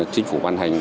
chính phủ ban hành